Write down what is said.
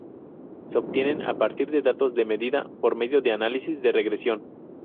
Se obtienen a partir de datos de medida por medio de análisis de regresión.